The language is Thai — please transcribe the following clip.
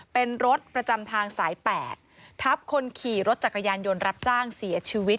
เป็นรถประจำทางสาย๘ทับคนขี่รถจักรยานยนต์รับจ้างเสียชีวิต